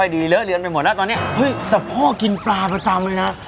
ดีเลอะเรียนไปหมดแล้วตอนนี้เฮ้ยแต่พ่อกินปลาประจำเลยนะ